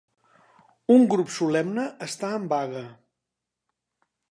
Un grup solemne està en vaga.